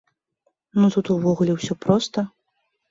Ну тут увогуле ўсё проста.